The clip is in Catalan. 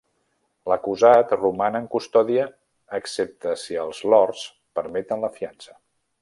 L'acusat roman en custòdia excepte si els Lords permeten la fiança.